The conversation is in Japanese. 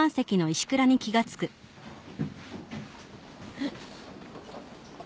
えっ。